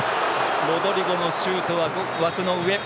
ロドリゴのシュートは枠の上。